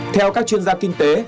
theo các chuyên gia kinh tế